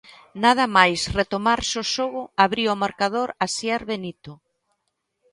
Nada máis retomarse o xogo abría o marcador Asier Benito.